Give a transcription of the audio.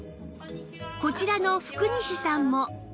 こちらの福西さんも